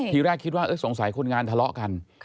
ทีแรกคิดว่าสงสัยคนงานทะเลาะกัน